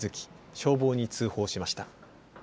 消防に通報しました。